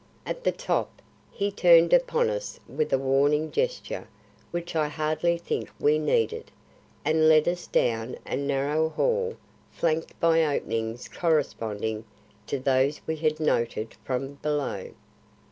At the top, he turned upon us with a warning gesture which I hardly think we needed, and led us down a narrow hall flanked by openings corresponding to those we had noted from below.